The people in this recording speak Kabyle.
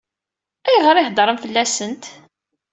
Ayɣer i heddṛen fell-asent?